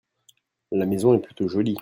La maison est plutôt jolie.